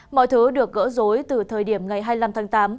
mọi thứ được gỡ dối từ thời điểm ngày hai mươi năm tháng tám